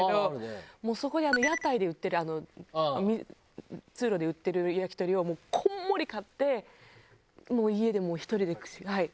もうそこで屋台で売ってる通路で売ってる焼き鳥をもうこんもり買ってもう家で１人ではい。